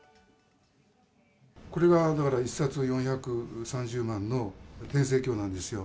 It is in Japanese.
これがだから１冊４３０万の天聖経なんですよ。